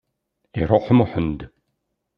Iruḥ Muḥend.